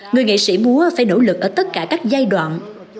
người nghệ sĩ múa phải nỗ lực ở tất cả các giai đoạn